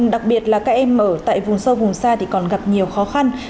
đặc biệt là các em ở tại vùng sâu vùng xa thì còn gặp nhiều khó khăn